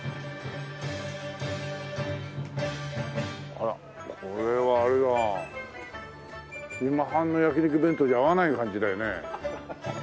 あらこれはあれだな今半の焼き肉弁当じゃ合わない感じだよね。